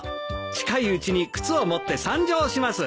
近いうちに靴を持って参上します。